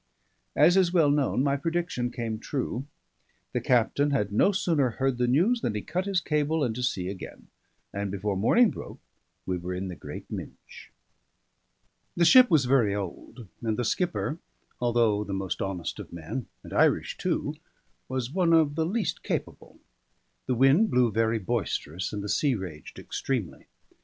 As is well known, my prediction came true. The captain had no sooner heard the news than he cut his cable and to sea again; and before morning broke, we were in the Great Minch. The ship was very old; and the skipper, although the most honest of men (and Irish too), was one of the least capable. The wind blew very boisterous, and the sea raged extremely.